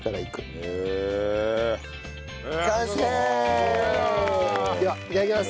うわあ！ではいただきます。